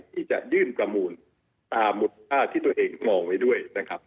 ที่จะยื่นประมูลตามมูลค่าที่ตัวเองมองไว้ด้วยนะครับ